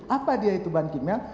apa dia itu bahan kimia